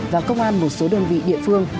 và công an một số đơn vị địa phương